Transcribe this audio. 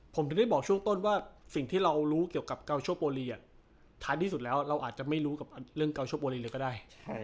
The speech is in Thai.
ผมถึงได้บอกช่วงต้นว่าสิ่งที่เรารู้เกี่ยวกับเกาโชโปรีท้ายที่สุดแล้วเราอาจจะไม่รู้กับเรื่องเกาโชโปรีเลยก็ได้